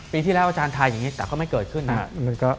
ปีที่แล้วอาจารย์ทายอย่างนี้แต่ก็ไม่เกิดขึ้นนะครับ